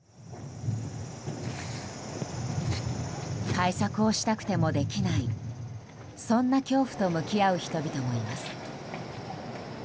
対策をしたくてもできないそんな恐怖と向き合う人々もいます。